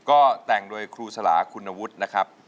ก็แต่งโดยครูสลาคุณวุฒินะครับ